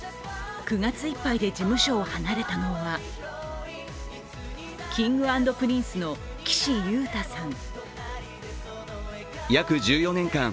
９月いっぱいで事務所を離れたのは、Ｋｉｎｇ＆Ｐｒｉｎｃｅの岸優太さん。